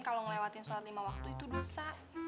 kalau ngelewatin sholat lima waktu itu dosa